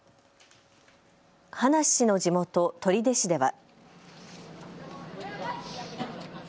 葉梨氏の地元、取手市では。